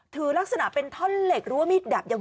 ถือลักษณะเป็นท่อนเหล็กหรือว่ามีดดับยัง